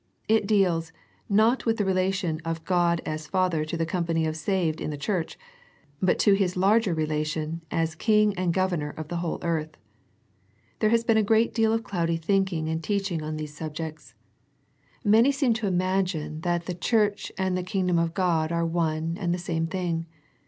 It deals, not with the rela tion of God as Father to the company of saved in the Church, but to His larger relation as King and Governor of the whole earth. There has been a great deal of cloudy thinking and teaching on these subjects. Many seem to im lo Introductory agine that the Church and the Kingdom of God are one and the same thing.